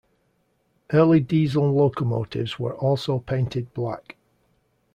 Early diesel locomotives were also painted black.